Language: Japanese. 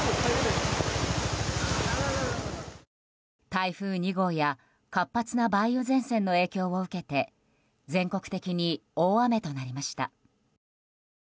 台風２号や活発な梅雨前線の影響を受けて全国的に大雨となりました。